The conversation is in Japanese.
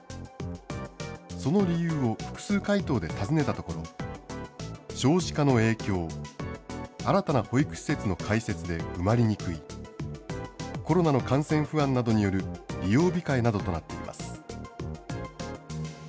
その理由を複数回答で尋ねたところ、少子化の影響、新たな保育施設の開設で埋まりにくい、コロナの感染不安などによる利用控えなどとなっています。